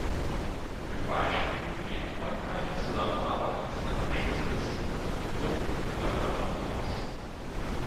Ein Beispiel für die erfolgreiche Zusammenarbeit ist der Abschluss des Rückübernahmeabkommens.